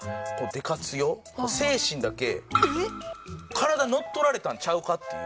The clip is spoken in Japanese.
体乗っ取られたんちゃうかっていう。